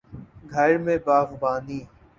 گھر میں باغبانی